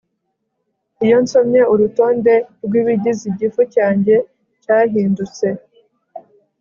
Iyo nsomye urutonde rwibigize igifu cyanjye cyahindutse